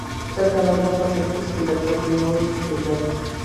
د کاناډا په ختیځ کې کب نیول کیدل.